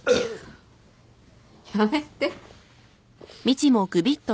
やめて。